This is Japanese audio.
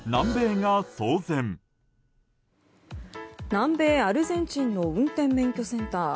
南米アルゼンチンの運転免許センター。